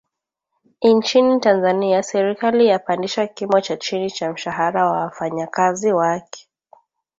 Inchini Tanzania Serikali yapandisha kimo cha chini cha mshahara wa wafanyakazi wake